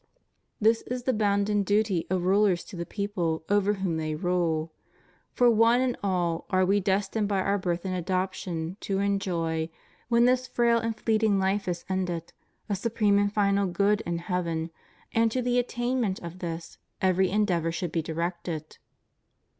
This is the bounden duty of rulers to the people over whom they rule. For one and all are we destined by our birth and adoption to enjoy, when this frail and fleeting life is ended, a supreme and final good in heaven, and to the attainment of this every endeavor should be directed.